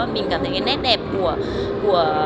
mình cảm thấy cái nét đẹp của